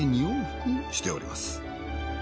往復しております。